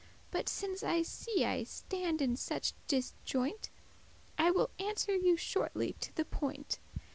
But since I see I stand in such disjoint,* *awkward position I will answer you shortly to the point.